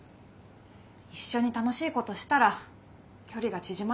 一緒に楽しいことしたら距離が縮まるかなって。